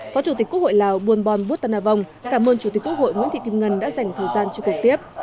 phó chủ tịch quốc hội lào buôn bon bút tân a vong cảm ơn chủ tịch quốc hội nguyễn thị kim ngân đã dành thời gian cho cuộc tiếp